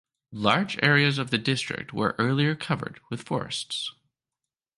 Large areas of the district were earlier covered with forests.